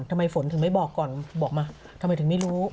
ทำไมฝนถึงไม่บอกก่อนบอกมาทำไมถึงไม่รู้